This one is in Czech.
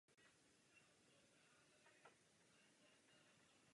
Rozvojem sexuálních emocí je podmíněn vývoj "sexuálního chování".